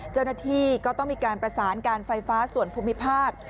เจ้าหน้าที่ก็ต้องมีการประสานการไฟฟ้าส่วนภูมิภาค